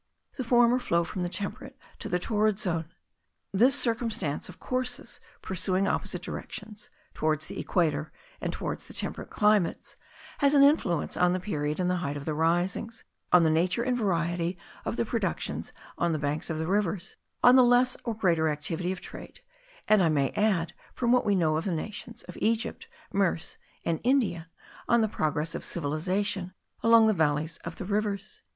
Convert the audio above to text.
The former flow from the temperate to the torrid zone. This circumstance of courses pursuing opposite directions (towards the equator, and towards the temperate climates) has an influence on the period and the height of the risings, on the nature and variety of the productions on the banks of the rivers, on the less or greater activity of trade; and, I may add, from what we know of the nations of Egypt, Merce, and India, on the progress of civilization along the valleys of the rivers.)